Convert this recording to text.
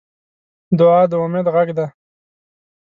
دعا د امید غږ دی.